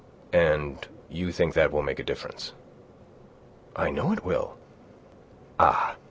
"And you think that will make a difference?" "I know it will." "Ah!